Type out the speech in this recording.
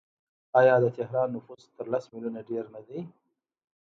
آیا د تهران نفوس تر لس میلیونه ډیر نه دی؟